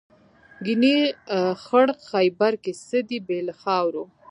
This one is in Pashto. ګنې خړ خیبر کې څه دي بې له خاورو.